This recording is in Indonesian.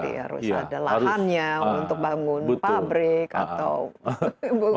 harus ada lahannya untuk bangun pabrik atau rumah rumah produksi